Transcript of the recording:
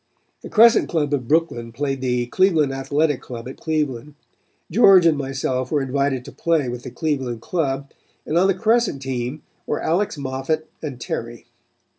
The Crescent Club of Brooklyn played the Cleveland Athletic Club at Cleveland. George and myself were invited to play with the Cleveland club, and on the Crescent team were Alex Moffat and Terry.